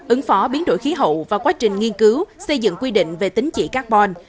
ứng phó biến đổi khí hậu và quá trình nghiên cứu xây dựng quy định về tính chỉ carbon